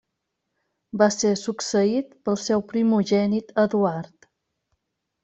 Va ser succeït pel seu primogènit Eduard.